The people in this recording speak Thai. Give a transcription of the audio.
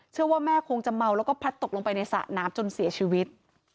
เชื่อว่าแม่คงจะเมาแล้วก็พลัดตกลงไปในสระน้ำจนเสียชีวิต